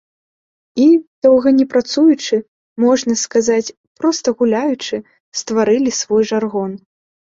І, доўга не працуючы, можна сказаць, проста гуляючы, стварылі свой жаргон.